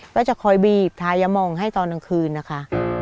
ก็จะคอยบีบทายะมองให้ตอนกลางคืนนะคะ